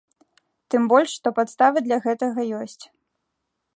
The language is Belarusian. Тым больш, што падстава для гэтага ёсць.